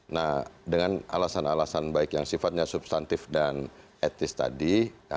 nah dengan alasan alasan baik yang sifatnya substantif dan etis tadi